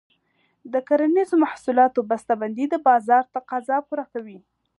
د کرنیزو محصولاتو بسته بندي د بازار تقاضا پوره کوي.